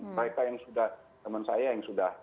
mereka yang sudah teman saya yang sudah